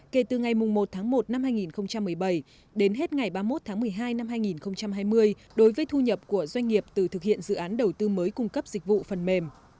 kể từ ngày một tháng một năm hai nghìn một mươi bảy đến hết ngày ba mươi một tháng một mươi hai năm hai nghìn hai mươi đối với thu nhập của doanh nghiệp từ thực hiện dự án đầu tư mới cung cấp dịch vụ phần mềm